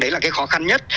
đấy là cái khó khăn nhất